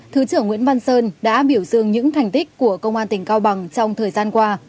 thứ trưởng nguyễn văn sơn đã biểu dương những thành tích của công an tỉnh cao bằng trong thời gian qua